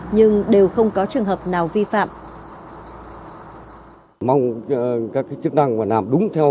nhưng đều không có trường hợp nào vi phạm